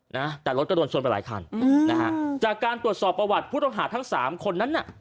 นะแต่รถก็โดนชนไปหลายคันอืมนะฮะจากการตรวจสอบประวัติผู้ต้องหาทั้งสามคนนั้นน่ะ